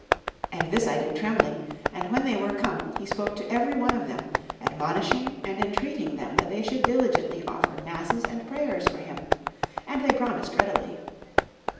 And this I did trembling, and when they were come, he spoke to every one of them, admonishing and entreating them that they should diligently offer masses and prayers for him, and they promised readily.